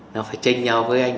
nó phải tranh nhau với anh